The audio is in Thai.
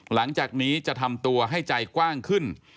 หลังจากนี้จะทำตัวให้ใจกว้างขึ้น